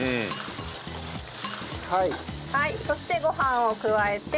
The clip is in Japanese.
そしてご飯を加えて。